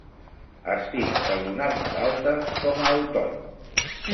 Estic per donar-me d'alta com a autònom.